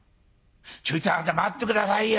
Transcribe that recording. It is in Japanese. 「ちょいとあなた待って下さいよ。